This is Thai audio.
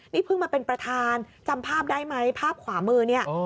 นี่เพิ่งมาเป็นประธานจำภาพได้ไหมภาพขวามือเนี่ย